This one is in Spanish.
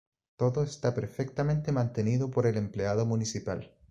Todo está perfectamente mantenido por el empleado municipal.